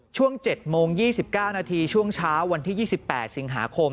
ช่วง๗โมง๒๙นาทีช่วงเช้าวันที่๒๘สิงหาคม